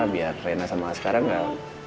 biar rena sama skara enggak